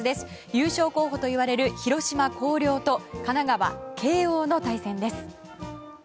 優勝候補といわれる広島・広陵と神奈川・慶應の対戦です。